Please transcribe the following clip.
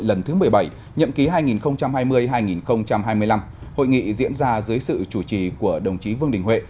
lần thứ một mươi bảy nhậm ký hai nghìn hai mươi hai nghìn hai mươi năm hội nghị diễn ra dưới sự chủ trì của đồng chí vương đình huệ